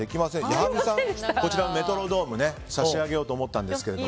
矢作さん、メトロノーム差し上げようと思ったんですけど。